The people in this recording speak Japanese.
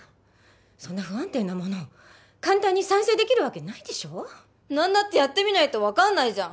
そんな不安定なもの簡単に賛成できるわけないでしょ何だってやってみないと分かんないじゃん